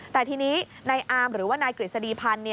แต่ทีนี้ในอามหรือว่านายกริสดีพันธ์